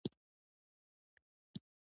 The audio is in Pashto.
په دغه ښار کې په ناقانونه توګه